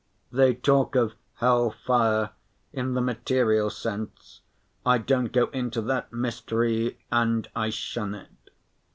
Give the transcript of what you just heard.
They talk of hell fire in the material sense. I don't go into that mystery and I shun it.